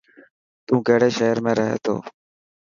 تو ڪهڙي شهر ۾ رهي ٿو